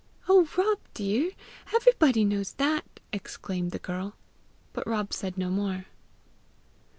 "Oh, Rob, dear! everybody knows that!" exclaimed the girl. But Rob said no more.